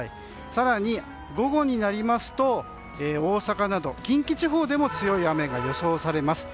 更に、午後になりますと大阪など近畿地方でも強い雨が予想されます。